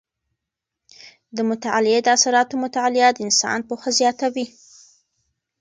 د مطالعې د اثراتو مطالعه د انسان پوهه زیاته وي.